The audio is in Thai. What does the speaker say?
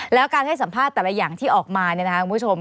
แล้วการให้สัมภาษณ์แต่ละอย่างที่ออกมาเนี่ยนะคะคุณผู้ชม